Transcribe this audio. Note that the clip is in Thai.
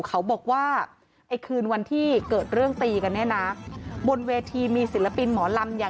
เขาบอกว่าไอ้คืนวันที่เกิดเรื่องตีกันเนี่ยนะบนเวทีมีศิลปินหมอลำอย่าง